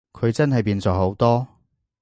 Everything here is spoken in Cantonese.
佢真係變咗好多